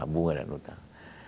bunga dan utang